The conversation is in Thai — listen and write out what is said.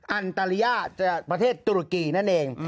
อันตรียะประเทศตุรกีนั่นเอง